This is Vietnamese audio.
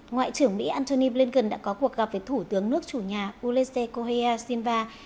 ngoại trưởng mỹ antony blinken đã có cuộc gặp với thủ tướng nước chủ nhà ulysses cojia silva